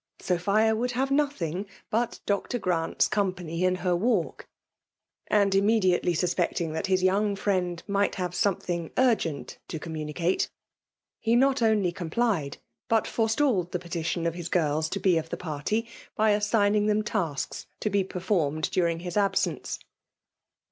— Sophia would have nothing but Dr. Grant^s company in her walk; and, immediately suspecting that his young friend might have something urgent to communicate, he not only 236 FBMilLB WmX^ATlGH. complied* bat fores^Ued the petition of his girla to be of the party, by assigning them tasks to be performed during his absenoe.